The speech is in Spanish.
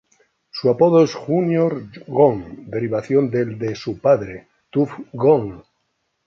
Su apodo es "Junior Gong", derivación del de su padre, "Tuff Gong".